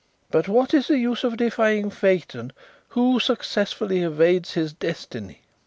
"But what is the use of defying fate, and who successfully evades his destiny?